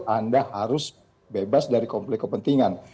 anda harus bebas dari komplek kepentingan